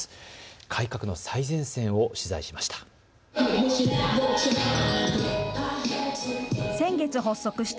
改革の最前線を取材しました。